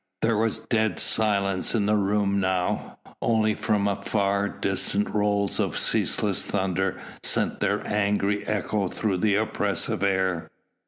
There was dead silence in the room now; only from a far distant rolls of ceaseless thunder sent their angry echo through the oppressive air.